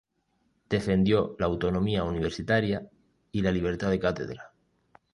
Defendió la autonomía universitaria y la libertad de cátedra.